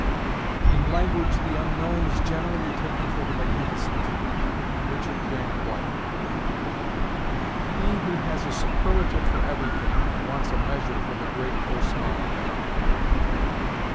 In language the unknown is generally taken for the magnificent. RICHARD GRANT WHITE. He who has a superlative for everything, wants a measure for the great or small.